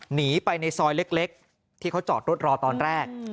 หนีไปในซอยเล็กที่เขาจอดรถรอตอนแรก